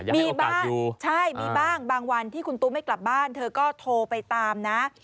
มีบ้างใช่มีบ้างบางวันที่คุณตุ๊กไม่กลับบ้านเธอก็โทรไปตามนะ